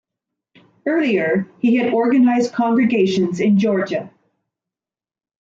Earlier, he had organized congregations in Georgia.